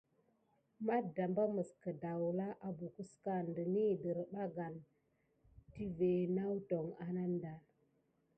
Matdamba məs kədawla abbockəka ɗənəhi dədarbane tivé nawtoŋ ananda.